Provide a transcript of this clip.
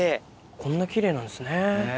こんな奇麗なんですね。